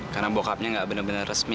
karena bokapnya gak bener bener resmi